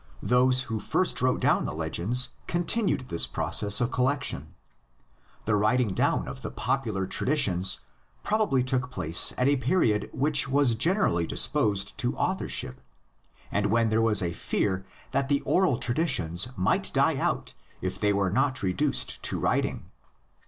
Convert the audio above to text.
Those who first wrote down the legends continued this process of collection. The writing down of the popular traditions probably took place at a period which was generally disposed to authorship and when there was a fear that the oral traditions might die out if they were not reduced to writing.